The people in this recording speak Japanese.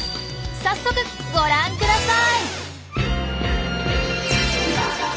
早速ご覧ください！